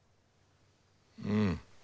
うん。